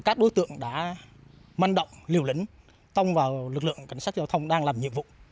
các đối tượng đã manh động liều lĩnh tông vào lực lượng cảnh sát giao thông đang làm nhiệm vụ